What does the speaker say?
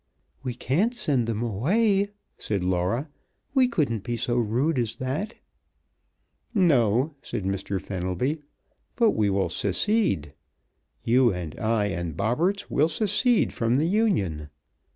"We can't send them away," said Laura. "We couldn't be so rude as that." "No," said Mr. Fenelby, "but we will secede. You and I and Bobberts will secede from the Union.